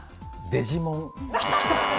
デジモン。